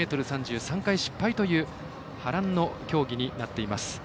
５ｍ３０３回失敗という波乱の競技になっています。